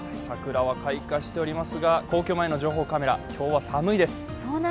桜は開花しておりますが、皇居前の情報カメラ、今日は寒いです。